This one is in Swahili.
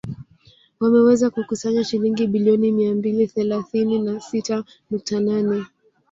Wameweza kukusanya shilingi bilioni mia mbili thelathini na sita nukta nane